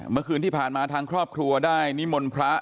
เมื่อคืนที่ผ่านมาทางครอบครัวได้นิมนต์พระ